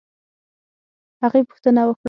هغې پوښتنه وکړه